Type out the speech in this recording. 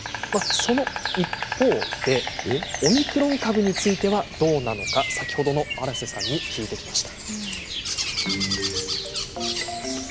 その一方でオミクロン株についてはどうなのか先ほどの荒瀬さんに聞いてきました。